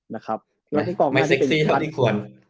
ไม่เซ็กซี่เท่าที่ควร